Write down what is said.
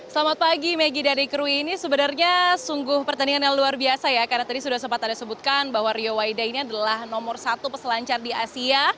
selamat pagi maggie dari krui ini sebenarnya sungguh pertandingan yang luar biasa ya karena tadi sudah sempat ada sebutkan bahwa rio waida ini adalah nomor satu peselancar di asia